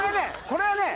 これはね